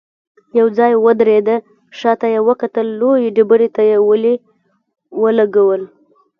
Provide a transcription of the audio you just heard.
يو ځای ودرېده، شاته يې وکتل، لويې ډبرې ته يې ولي ولګول.